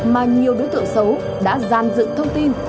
mà nhiều đối tượng xấu đã gian dựng thông tin